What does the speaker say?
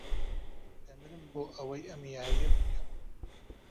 دەمرم بۆ ئەوەی ئەم یارییە بکەم.